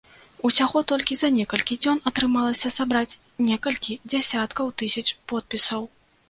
Усяго толькі за некалькі дзён атрымалася сабраць некалькі дзесяткаў тысяч подпісаў.